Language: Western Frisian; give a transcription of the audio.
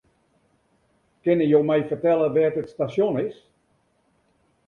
Kinne jo my fertelle wêr't it stasjon is?